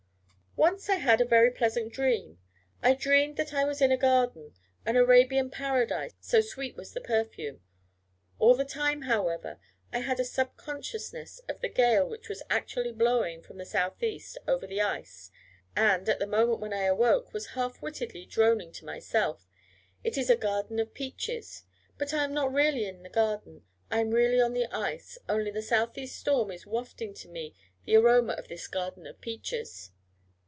Once I had a very pleasant dream. I dreamed that I was in a garden an Arabian paradise so sweet was the perfume. All the time, however, I had a sub consciousness of the gale which was actually blowing from the S.E. over the ice, and, at the moment when I awoke, was half wittedly droning to myself; 'It is a Garden of Peaches; but I am not really in the garden: I am really on the ice; only, the S.E. storm is wafting to me the aroma of this Garden of Peaches.'